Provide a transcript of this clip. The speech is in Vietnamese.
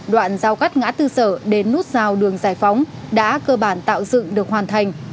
đoạn giao cắt ngã tư sở đến nút giao đường giải phóng đã cơ bản tạo dựng được hoàn thành